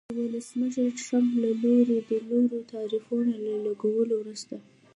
د ولسمشر ټرمپ له لوري د لوړو تعرفو له لګولو وروسته